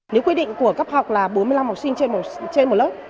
nếu quy định của cấp học là bốn mươi năm học sinh trên một lớp